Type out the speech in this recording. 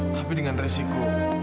tapi dengan resiko